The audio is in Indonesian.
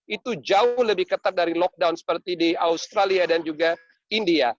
itu jauh lebih ketat dari lockdown seperti di australia dan juga india